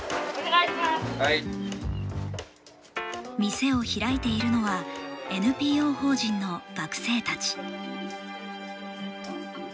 店を開いているのはＮＰＯ法人の学生たち。